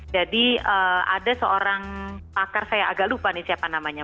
jadi ada seorang pakar saya agak lupa nih siapa namanya